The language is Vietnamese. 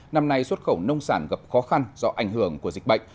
năm nay xuất khẩu nông sản gặp khó khăn do ảnh hưởng của dịch bệnh